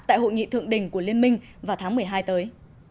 tại hội nghị thượng đỉnh của liên minh vào tháng một mươi hai tới